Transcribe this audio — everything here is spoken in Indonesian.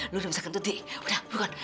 lu udah bisa kentut dik udah bukan